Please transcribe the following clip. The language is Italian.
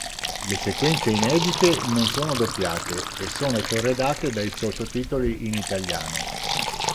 Le sequenze inedite non sono doppiate e sono corredate dai sottotitoli in italiano.